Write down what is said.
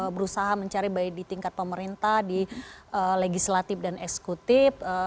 berusaha mencari baik di tingkat pemerintah di legislatif dan eksekutif